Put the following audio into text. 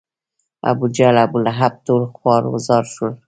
ابوجهل، ابولهب ټول خوار و زار شول.